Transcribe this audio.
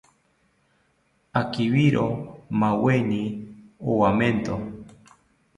Akibiro maweni owamento